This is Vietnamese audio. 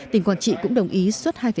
tỉnh quản trị cũng đồng ý xuất